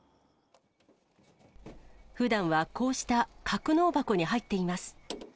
ふだんはこうした格納箱に入っています。